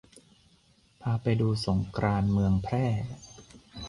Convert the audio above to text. พาไปดูสงกรานต์เมืองแพร่